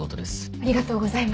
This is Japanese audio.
ありがとうございます。